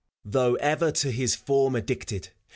Though ever to his form addicted.